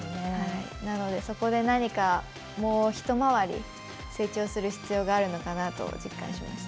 なのでそこで何かもう一回り成長する必要があるのかなと実感しました。